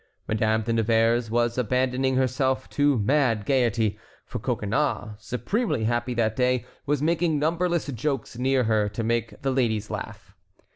Madame de Nevers was abandoning herself to mad gayety, for Coconnas, supremely happy that day, was making numberless jokes near her to make the ladies laugh.